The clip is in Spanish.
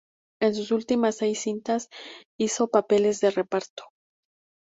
En sus últimas seis cintas hizo papeles de reparto.